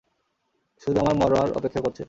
শুধু আমার মরার অপেক্ষা করছে।